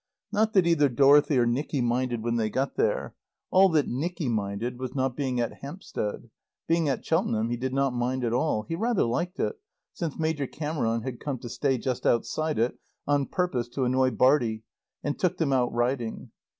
Not that either Dorothy or Nicky minded when they got there. All that Nicky minded was not being at Hampstead. Being at Cheltenham he did not mind at all. He rather liked it, since Major Cameron had come to stay just outside it on purpose to annoy Bartie and took them out riding.